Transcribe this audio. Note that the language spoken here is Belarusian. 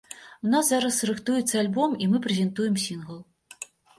У нас зараз рыхтуецца альбом, і мы прэзентуем сінгл.